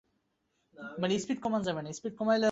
সে কহিল, কিন্তু পরশু রবিবারের মধ্যেই কি হয়ে উঠবে?